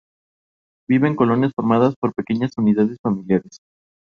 Vive en colonias formadas por pequeñas unidades familiares.